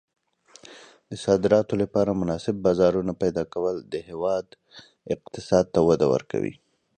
د صادراتو لپاره مناسب بازارونه پیدا کول د هېواد اقتصاد ته وده ورکوي.